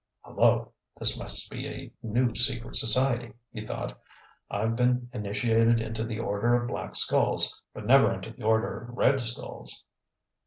"Hullo, this must be a new secret society," he thought. "I've been initiated into the Order of Black Skulls, but never into the Order of Red Skulls.